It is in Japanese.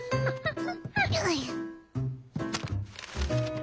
ハハハッハ。